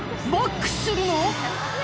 バックするの⁉」